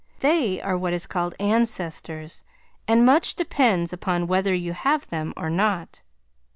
They are what is called ancestors and much depends upon whether you have them or not.